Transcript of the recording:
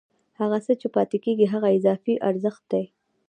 هغه څه چې پاتېږي هغه اضافي ارزښت دی